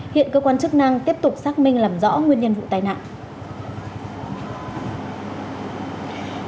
hiện cơ quan chức năng tiếp tục xác minh làm rõ nguyên nhân vụ tai nạn